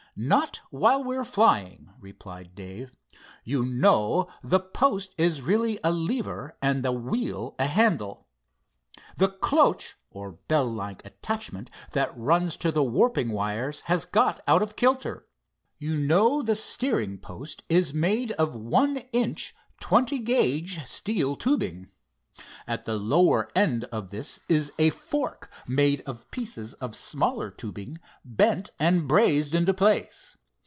"Not while we're flying," replied Dave. "You know, the post is really a lever and the wheel a handle. The cloche, or bell like attachment that runs to the warping wires, has got out of kilter. You know, the steering post is made of one inch, twenty gauge steel tubing. At the lower end of this is a fork made of pieces of smaller tubing, bent and brazed into place.